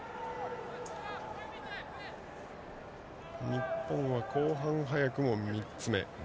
日本は後半早くも３つ目。